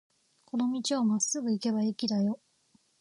この道をまっすぐ行けば駅だよ。